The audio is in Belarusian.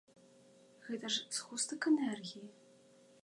Гэта ж згустак энергіі.